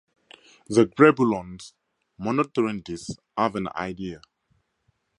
The Grebulons, monitoring this, have an idea.